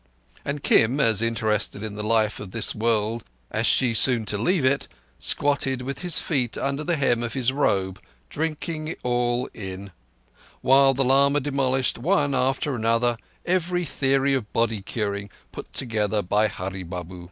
And Kim, as interested in the life of this world as she soon to leave it, squatted with his feet under the hem of his robe, drinking all in, while the lama demolished one after another every theory of body curing put forward by Hurree Babu.